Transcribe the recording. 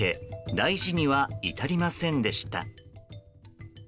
大事には至りませんでした。